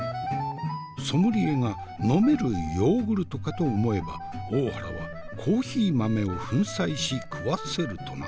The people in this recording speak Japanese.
ソムリエが飲めるヨーグルトかと思えば大原はコーヒー豆を粉砕し食わせるとな？